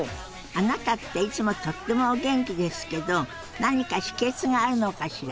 あなたっていつもとってもお元気ですけど何か秘けつがあるのかしら？